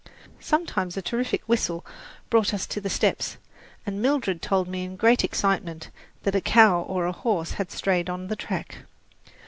Sometimes a terrific whistle brought us to the steps, and Mildred told me in great excitement that a cow or a horse had strayed on the track.